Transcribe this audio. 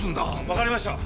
わかりました！